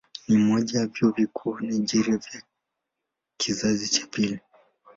Ni mmoja ya vyuo vikuu vya Nigeria vya kizazi cha pili.